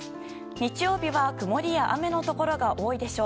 日曜日は曇りや雨のところが多いでしょう。